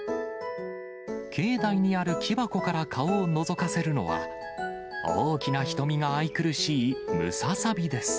境内にある木箱から顔をのぞかせるのは、大きな瞳が愛くるしいム